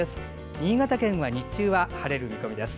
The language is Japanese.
新潟県は日中晴れる見込みです。